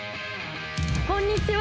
こんにちは。